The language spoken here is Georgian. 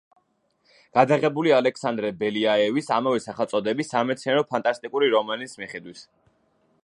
გადაღებულია ალექსანდრე ბელიაევის ამავე სახელწოდების სამეცნიერო-ფანტასტიკური რომანის მიხედვით.